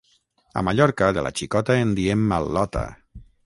A Mallorca de la xicota en diem al·lota.